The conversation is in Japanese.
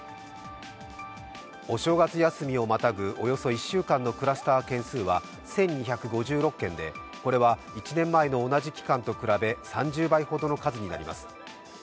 お正月休みをまたぐ、およそ１週間のクラスター発生数は１２５６件でこれは１年前の同じ期間と比べ３０倍ほどの数になります。